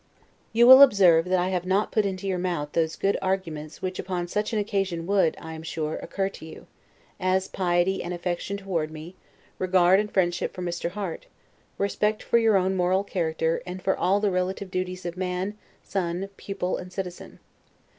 You will observe, that I have not put into your mouth those good arguments which upon such an occasion would, I am sure, occur to you; as piety and affection toward me; regard and friendship for Mr. Harte; respect for your own moral character, and for all the relative duties of man, son, pupil, and citizen.